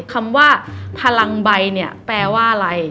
คำว่าพลังใบเนี่ยแปลว่าอะไร